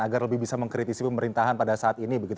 agar lebih bisa mengkritisi pemerintahan pada saat ini